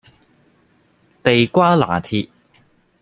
地瓜拿鐵